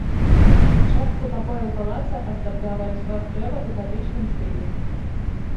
Частку пакояў палаца аздабляла разьба з дрэва ў гатычным стылі.